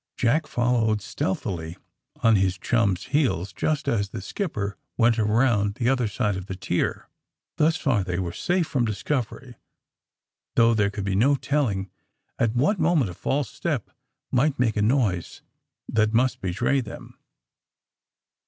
Jack followed stealthily on his chum's heels just as the skipper went around the other side of the tier. Thus far they were safe from discovery, though there could be no telling at what mo ment a false step might make a noise that must betray them.